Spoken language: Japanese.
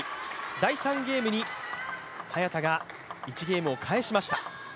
第３ゲームに早田が１ゲームを返しました。